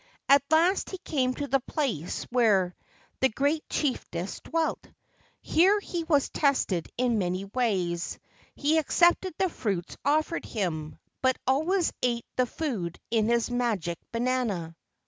At last he came to the place where the great THE STRANGE BANANA SKIN 73 chiefess dwelt. Here he was tested in many ways. He accepted the fruits offered him, but always ate the food in his magic banana.